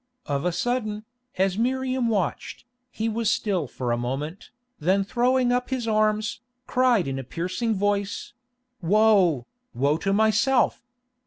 Of a sudden, as Miriam watched, he was still for a moment, then throwing up his arms, cried in a piercing voice, "Woe, woe to myself!"